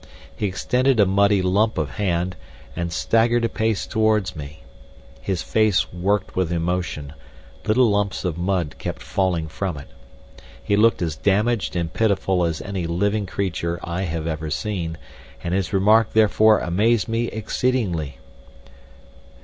He extended a muddy lump of hand, and staggered a pace towards me. His face worked with emotion, little lumps of mud kept falling from it. He looked as damaged and pitiful as any living creature I have ever seen, and his remark therefore amazed me exceedingly.